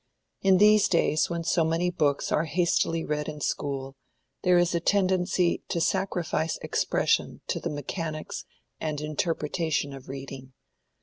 In these days when so many books are hastily read in school, there is a tendency to sacrifice expression to the mechanics and interpretation of reading.